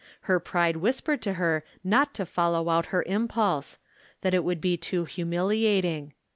Her pride whispered to her not to follow out her impulse — that it would be too humiliating.